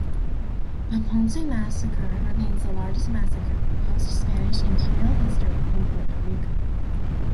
The Ponce massacre remains the largest massacre in post-Spanish imperial history in Puerto Rico.